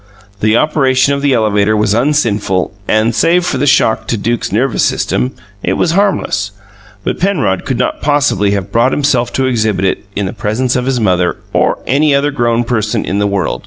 The operation of the elevator was unsinful and, save for the shock to Duke's nervous system, it was harmless; but Penrod could not possibly have brought himself to exhibit it in the presence of his mother or any other grown person in the world.